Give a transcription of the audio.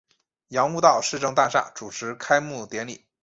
杨屋道市政大厦主持开幕典礼。